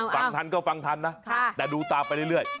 ฟังทันก็ฟังทันนะแต่ดูตามไปเรื่อย